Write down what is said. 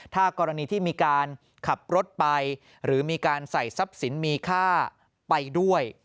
ถ้ากรณีที่มีการขับรถไปหรือมีการใส่ทรัพย์สินมีค่าไปด้วย